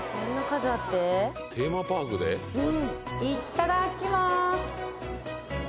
いっただっきまーす。